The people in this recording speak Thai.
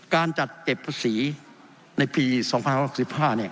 การจัดเก็บศีลในปี๒๐๑๕